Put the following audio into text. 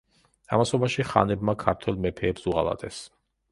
ამასობაში ხანებმა ქართველ მეფეებს უღალატეს.